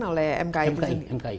oleh mki mki